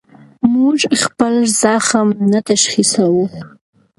موږ خپل زخم نه تشخیصوو.